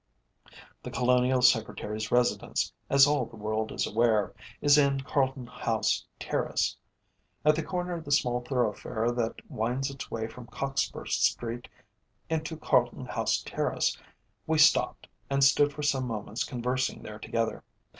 The Colonial Secretary's residence, as all the world is aware, is in Carlton House Terrace. At the corner of the small thoroughfare that winds its way from Cockspur Street into Carlton House Terrace, we stopped, and stood for some moments conversing there together.